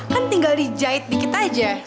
kan tinggal dijahit dikit aja